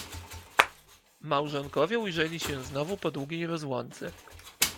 Małżonkowie ujrzeli się znowu po długiej rozłące.